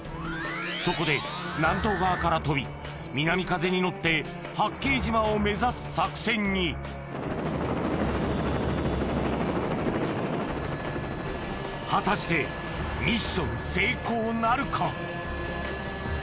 そこで南東側から飛び南風に乗って八景島を目指す作戦に果たしてミッション成功なるか？